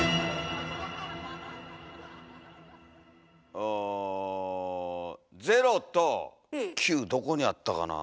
お０と９どこにあったかなあ。